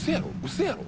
嘘やろ？